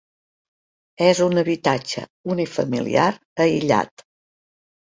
És un habitatge unifamiliar aïllat.